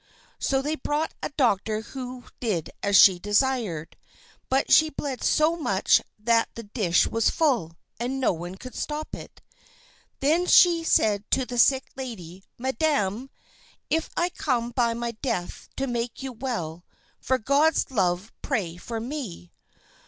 So they brought a doctor who did as she desired; but she bled so much that the dish was full, and no one could stop it. Then she said to the sick lady, "Madam, if I come by my death to make you well, for God's love pray for me."